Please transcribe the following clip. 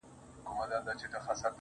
خو يو ځل بيا وسجدې ته ټيټ سو~